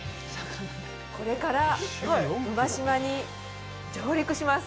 これから馬島に上陸します。